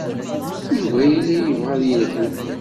Yuba yella yebɣa ad yelhu.